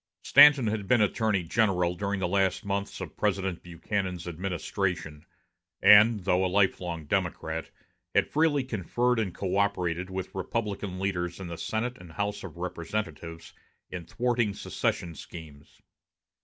Stanton had been Attorney General during the last months of President Buchanan's administration, and, though a lifelong Democrat, had freely conferred and coöperated with Republican leaders in the Senate and House of Representatives in thwarting secession schemes.